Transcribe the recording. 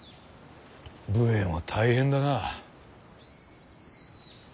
武衛も大変だな。